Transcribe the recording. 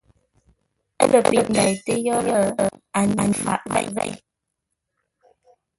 Ə́ lə pəi ndeitə́ yórə́, a nyêr faʼ zêi.